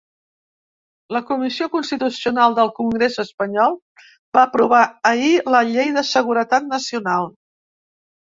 La comissió constitucional del congrés espanyol va aprovar ahir la llei de seguretat nacional.